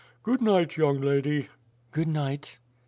Good night, young lady." "Good night."